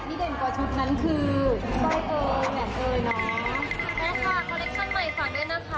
แล้วค่ะคอลเลคชั่นใหม่ฝากด้วยนะคะ